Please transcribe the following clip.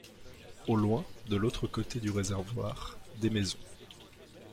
Au loin, de l’autre côté du réservoir, des maisons.